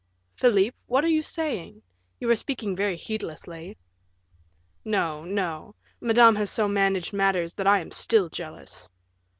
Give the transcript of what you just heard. "Philip, what are you saying? You are speaking very heedlessly." "No, no. Madame has so managed matters, that I am still jealous."